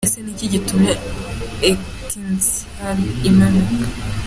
Ese ni iki gitumye Etincelles imanuka?.